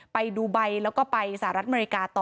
ไปดูไบแล้วก็ไปสหรัฐอเมริกาต่อ